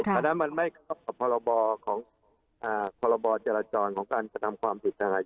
แต่นั้นมันไม่เหลือประบบจรจรของการกระทำความผิดทางอาญา